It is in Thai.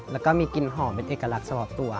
แล้วก็มีกลิ่นหอมเป็นเอกลักษณ์สำหรับตัว